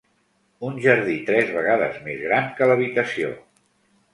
Un jardí tres vegades més gran que l'habitació.